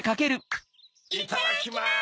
いただきます！